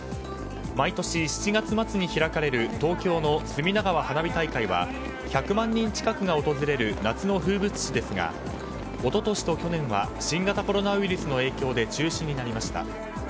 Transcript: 毎年７月末に開かれる東京の隅田川花火大会は１００万人近くが訪れる夏の風物詩ですが一昨年と去年は新型コロナウイルスの影響で中止になりました。